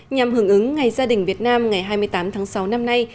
nhằm hưởng ứng ngày gia đình việt nam ngày hai mươi tám tháng sáu năm nay